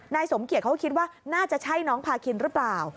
สมเกียจเขาก็คิดว่าน่าจะใช่น้องพาคินหรือเปล่า